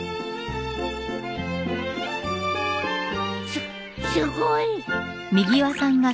すすごい。